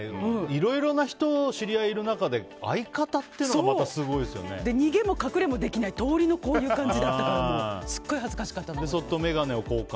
でも知り合いがいる中で相方というのが逃げも隠れもできない通りの、こういう感じだったからすごい恥ずかしかったの。